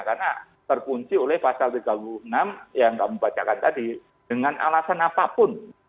karena terkunci oleh pasal tiga puluh enam yang kamu bacakan tadi dengan alasan apapun